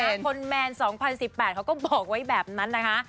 คนแมน๒๐๑๘เขาก็บอกไว้แบบนั้นนะคะ